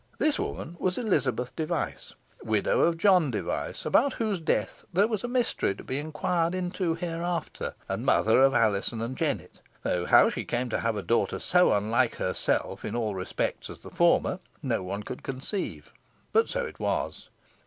This woman was Elizabeth Device, widow of John Device, about whose death there was a mystery to be inquired into hereafter, and mother of Alizon and Jennet, though how she came to have a daughter so unlike herself in all respects as the former, no one could conceive; but so it was.